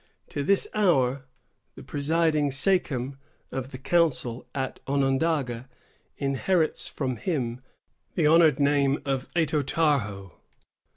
To this hour the presiding sachem of the council at Onondaga inherits from him the honored name of Atotarho.